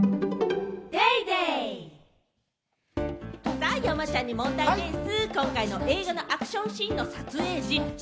さぁ山ちゃんに問題でぃす！